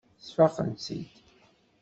Sfaqen-tt-id.